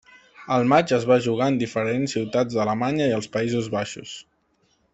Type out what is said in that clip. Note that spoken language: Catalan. El matx es va jugar en diferents ciutats d'Alemanya i els Països Baixos.